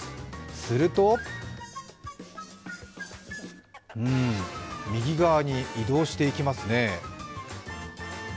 するとうん、右側に移動していきますね。